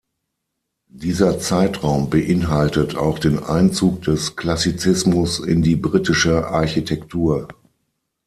Dieser Zeitraum beinhaltet auch den Einzug des Klassizismus in die Britische Architektur.